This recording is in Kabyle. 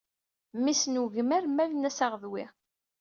Mmis n wegmar mmaln-as Aɣedwi.